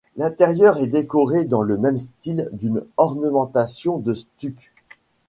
L’intérieur est décoré dans le même style d’une ornementation de stucs.